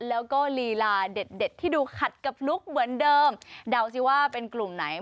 แล้วก็ลีลาเด็ดที่ดูขัดกับลุคเหมือนเดิมเดาสิว่าเป็นกลุ่มไหน